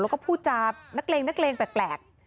แล้วก็พูดจาพลักษณ์แปลก